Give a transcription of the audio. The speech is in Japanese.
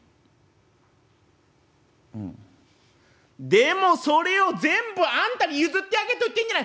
「でもそれを全部あんたに譲ってあげると言ってんじゃない！